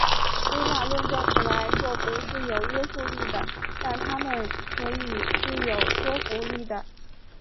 归纳论证从来就不是有约束力的但它们可以是有说服力的。